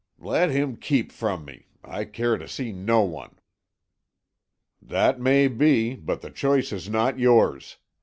"Let him keep from me. I care to see no one." "That may be, but the choice is not yours.